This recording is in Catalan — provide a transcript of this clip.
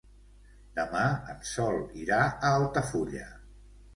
Demà en Sol irà a Altafulla.